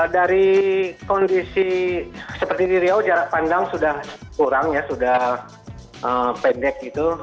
dari kondisi seperti di riau jarak pandang sudah kurang ya sudah pendek gitu